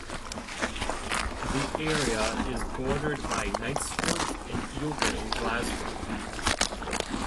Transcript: The area is bordered by Knightswood and Yoker in Glasgow.